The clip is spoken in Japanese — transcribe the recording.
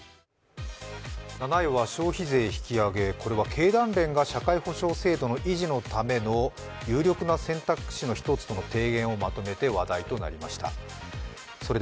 ７位は消費税引き上げこれは経団連が社会保障制度維持のための有力な選択肢の一つとの提言をまとめて話題となりました。